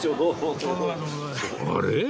あれ？